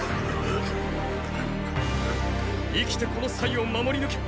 生きてこのを守り抜け！